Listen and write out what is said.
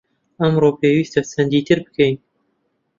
ئەمڕۆ پێویستە چەندی تر بکەین؟